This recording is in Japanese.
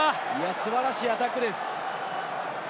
素晴らしいアタックです。